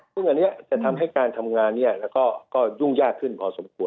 ความลักษณะจะทำให้การทำงานยุ่งยากขึ้นพอสมควร